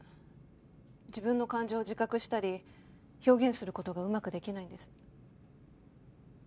自分の感情を自覚したり表現する事がうまくできないんです。